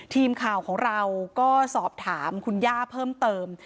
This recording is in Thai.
ทีมข่าวของเราก็สอบถามคุณย่าเพิ่มเติม